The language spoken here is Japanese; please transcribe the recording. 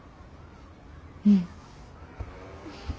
うん。